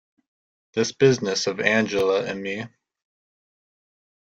This business of Angela and me.